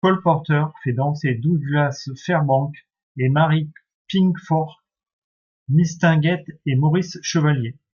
Cole Porter fait danser Douglas Fairbanks et Mary Pickford, Mistinguett et Maurice Chevalier.